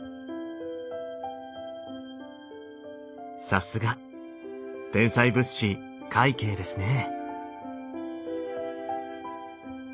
さすが天才仏師快慶ですね。